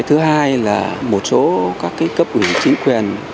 thứ hai là một số các cấp ủy chính quyền